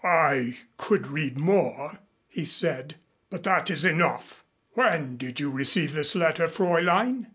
"I could read more," he said, "but that is enough. When did you receive this letter, Fräulein?"